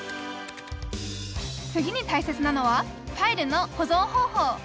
次に大切なのはファイルの保存方法。